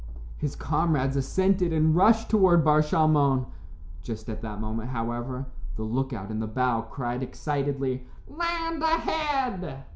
His comrades assented and rushed toward Bar Shalmon. Just at that moment, however, the look out in the bow cried excitedly, "Land ahead!"